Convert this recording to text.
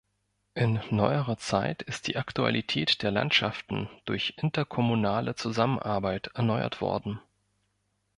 In neuerer Zeit ist die Aktualität der Landschaften durch interkommunale Zusammenarbeit erneuert worden.